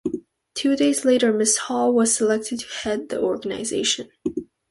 Two days later Miss Hall was selected to head the organization.